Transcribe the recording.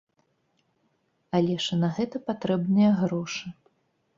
Але ж і на гэта патрэбныя грошы.